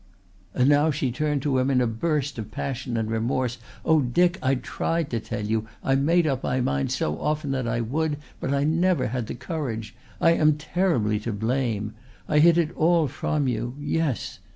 And now she turned to him in a burst of passion and remorse. "Oh, Dick, I tried to tell you. I made up my mind so often that I would, but I never had the courage. I am terribly to blame. I hid it all from you yes.